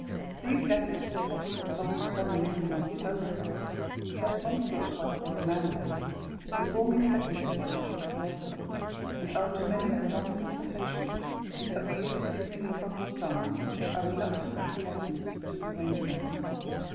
These letters, probably the result of some manoeuvring on his own part, set on foot by the royal mandate, were warmly seconded by the Duke of Norfolk, and after many and long solicitations, he succeeded in wringing from his son a reluctant acquiescence to the arrangement.